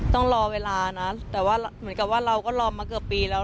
ต้องรอเวลานะเหมือนกันเราก็รอเมื่อเจอปีแล้ว